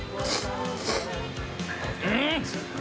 うん！